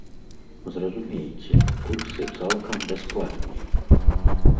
Зразумейце, курсы цалкам бясплатныя.